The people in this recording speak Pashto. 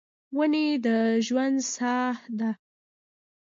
ونې د ژوند ساه ده.